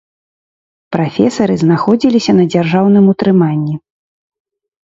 Прафесары знаходзіліся на дзяржаўным утрыманні.